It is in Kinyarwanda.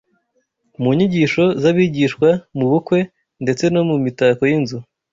mu nyigisho z’abigishwa mu bukwe ndetse no mu mitako y’inzu